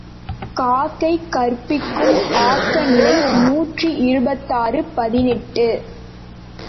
காக்கை கற்பிக்கும் ஆக்க நிலை நூற்றி இருபத்தாறு பதினெட்டு .